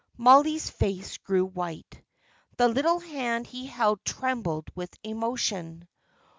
Mollie's face grew white. The little hand he held trembled with emotion.